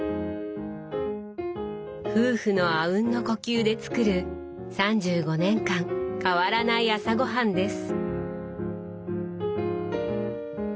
夫婦のあうんの呼吸で作る３５年間変わらない朝ごはんです。